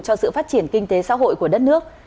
cho sự phát triển kinh tế xã hội của đất nước